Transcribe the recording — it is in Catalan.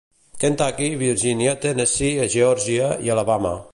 Kentucky, Virgínia, Tennessee, Geòrgia i Alabama.